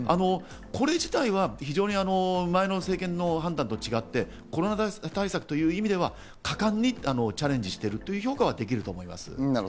これ自体は前の政権の判断と違ってコロナ対策という意味では果敢にチャレンジしているという評価ができると思います。